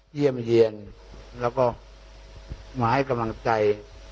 เยี่ยมเยี่ยนแล้วก็มาให้กำลังใจ